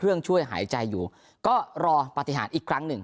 ช่วยหายใจอยู่ก็รอปฏิหารอีกครั้งหนึ่ง